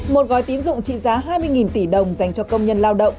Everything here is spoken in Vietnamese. một gói tín dụng trị giá hai mươi tỷ đồng dành cho công nhân lao động